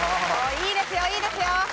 いいですよいいですよ。